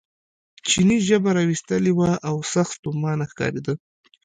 چیني ژبه را ویستلې وه او سخت ستومانه ښکارېده.